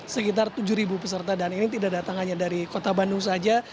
sekitar tujuh peserta dan ini tidak datang hanya dari kota bandung saja